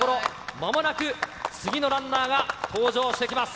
まもなく次のランナーが登場してきます。